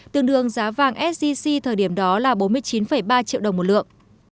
tương đương giá vàng sgc thời điểm đó là bốn mươi chín ba triệu đồng một lượng